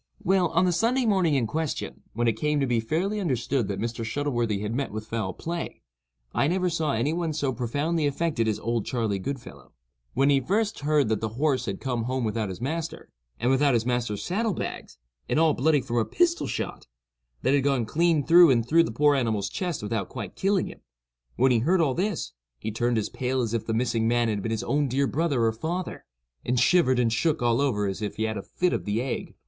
Well, on the Sunday morning in question, when it came to be fairly understood that Mr. Shuttleworthy had met with foul play, I never saw any one so profoundly affected as "Old Charley Goodfellow." When he first heard that the horse had come home without his master, and without his master's saddle bags, and all bloody from a pistol shot, that had gone clean through and through the poor animal's chest without quite killing him; when he heard all this, he turned as pale as if the missing man had been his own dear brother or father, and shivered and shook all over as if he had had a fit of the ague.